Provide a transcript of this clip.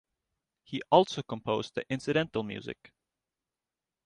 He also composed the incidental music.